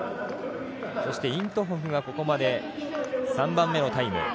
そしてイント・ホフがここまで３番目のタイム。